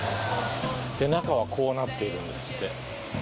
で中はこうなってるんですって。